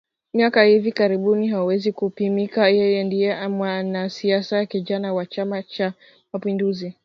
miaka ya hivi karibuni hauwezi kupimika Yeye ndiye mwanasiasa kijana wa Chama cha mapinduzi